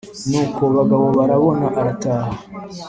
nuko bagabobarabona arataha